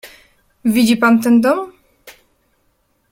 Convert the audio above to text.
"Widzi pan ten dom?"